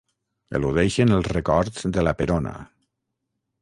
Eludeixen els records de la Perona.